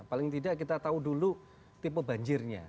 paling tidak kita tahu dulu tipe banjirnya